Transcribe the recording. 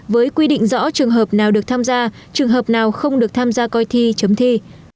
với quy định rõ trường hợp nào được tham gia trường hợp nào không được tham gia coi thi chấm thi